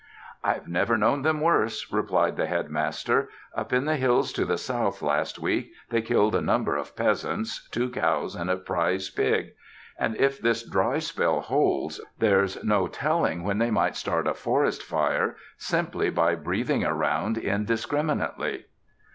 "I've never known them worse," replied the Headmaster. "Up in the hills to the south last week they killed a number of peasants, two cows and a prize pig. And if this dry spell holds there's no telling when they may start a forest fire simply by breathing around indiscriminately."